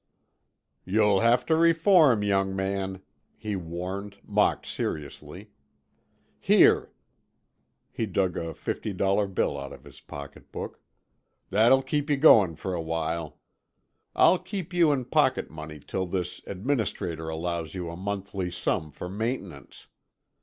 "You'll have to reform, young man," he warned, mock seriously. "Here"—he dug a fifty dollar bill out of his pocket book—"that'll keep you going for a while. I'll keep you in pocket money till this administrator allows you a monthly sum for maintenance.